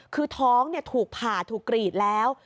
คือท้องถูกผ่าถูกกรีดแล้ว